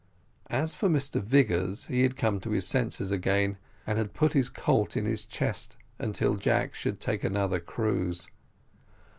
As for Mr Vigors, he had come to his senses again, and had put his colt in his chest until Jack should take another cruise.